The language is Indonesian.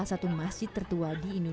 miskin masjid yang berbaban dengan